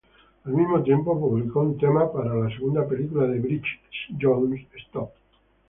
Al mismo tiempo, publicó un tema para la segunda película de Bridget Jones, "Stop".